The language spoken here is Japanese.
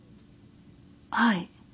はい。